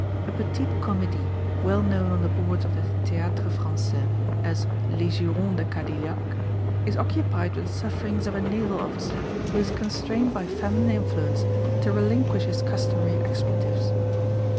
A petite comédie well known on the boards of the Théâtre Français as 'Les Jurons de Cadillac,' is occupied with the sufferings of a naval officer who is constrained by feminine influence to relinquish his customary expletives.